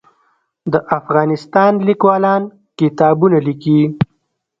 د افغانستان لیکوالان کتابونه لیکي